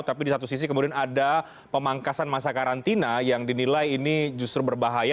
tapi di satu sisi kemudian ada pemangkasan masa karantina yang dinilai ini justru berbahaya